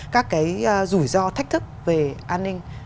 các cái rủi ro thách thức về an ninh